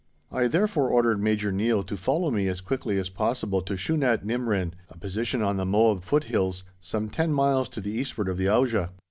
I therefore ordered Major Neill to follow me as quickly as possible to Shunat Nimrin, a position on the Moab foothills, some ten miles to the eastward of the Auja.